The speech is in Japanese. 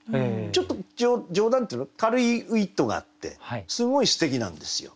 ちょっと冗談っていうの軽いウイットがあってすごいすてきなんですよ。